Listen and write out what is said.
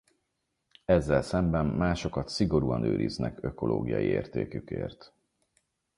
Ezzel szemben másokat szigorúan őriznek ökológiai értékükért.